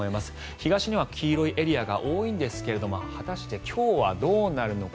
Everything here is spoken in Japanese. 東日本は黄色いエリアが多いんですが果たして今日はどうなるのか。